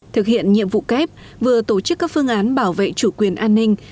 thực hiện nhiệm vụ kép vừa tổ chức các phương án bảo vệ chủ quyền an ninh